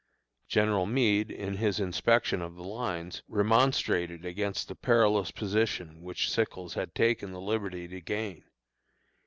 General Meade, in his inspection of the lines, remonstrated against the perilous position which Sickles had taken the liberty to gain.